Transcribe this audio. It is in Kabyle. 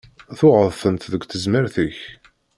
Tuɣeḍ-tent deg tezmert-ik.